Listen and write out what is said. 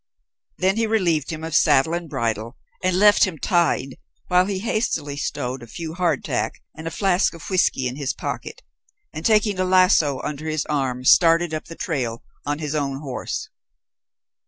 Then he relieved him of saddle and bridle and left him tied while he hastily stowed a few hard tack and a flask of whisky in his pocket, and taking a lasso over his arm, started up the trail on his own horse.